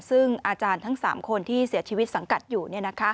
ซึ่งอาจารย์ทั้ง๓คนที่เสียชีวิตสังกัดอยู่